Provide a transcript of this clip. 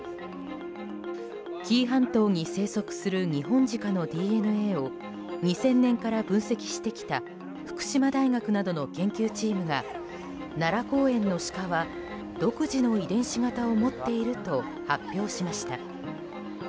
紀伊半島に生息するニホンジカのＤＮＡを２０００年から分析してきた福島大学などの研究チームが奈良公園のシカは独自の遺伝子型を持っていると発表しました。